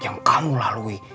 yang kamu lalui